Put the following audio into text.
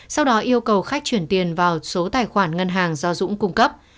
sau đó yêu cầu khách chuyển tiền vào số tài khoản ngân hàng do dũng cung cấp